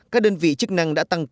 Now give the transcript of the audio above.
các đơn vị chức năng đã tăng cư